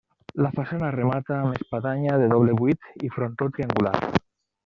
La façana remata amb espadanya de doble buit i frontó triangular.